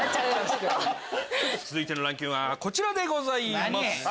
続いてのランキングはこちらでございます。